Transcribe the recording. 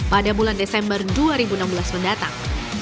pada bulan desember dua ribu enam belas mendatang